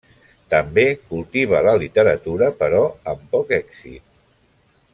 També cultiva la literatura però amb poc èxit.